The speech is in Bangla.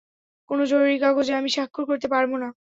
কোনো জরুরী কাগজে আমি স্বাক্ষর করতে পারব না।